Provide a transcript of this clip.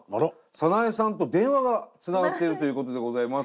早苗さんと電話がつながってるということでございます。